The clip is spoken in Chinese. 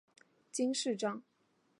金饰章。